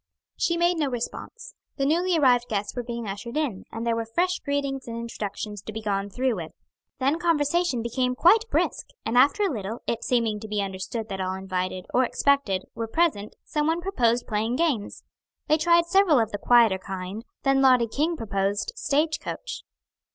She made no response. The newly arrived guests were being ushered in, and there were fresh greetings and introductions to be gone through with. Then conversation became quite brisk, and after a little, it seeming to be understood that all invited, or expected, were present some one proposed playing games. They tried several of the quieter kind, then Lottie King proposed "Stage coach."